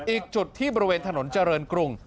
อีกจุดที่บริเวณถนนเจริญกรุง